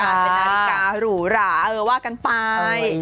เป็นนาฬิกาหรูหราเออว่ากันไป